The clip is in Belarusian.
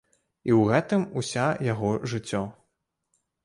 І ў гэтым уся яго жыццё.